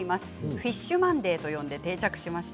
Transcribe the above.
フィッシュマンデーと呼んで定着しました。